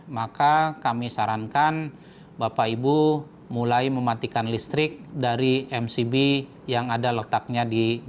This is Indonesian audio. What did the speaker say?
maka kami sarankan bapak ibu mulai mematikan listrik dari mcb yang ada letaknya di